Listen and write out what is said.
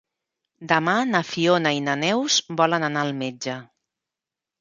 Demà na Fiona i na Neus volen anar al metge.